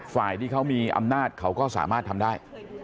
ฝ่ายที่เขามีอำนาจเขาก็สามารถทำได้